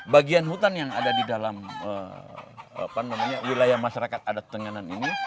bagian hutan yang ada di dalam wilayah masyarakat adat tenganan ini